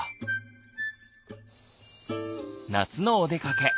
夏のおでかけ。